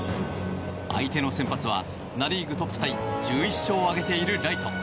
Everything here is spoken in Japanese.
相手の先発はナ・リーグトップタイ１１勝を挙げているライト。